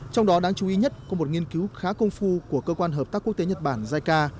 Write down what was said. trong đó đáng chú ý nhất có một nghiên cứu khá công phu của cơ quan hợp tác quốc tế nhật bản jica